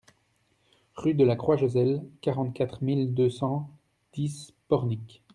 Rue de la Croix Joselle, quarante-quatre mille deux cent dix Pornic